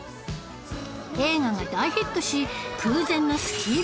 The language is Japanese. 映画が大ヒットし空前のスキーブームに